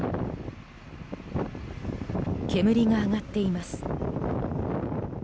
煙が上がっています。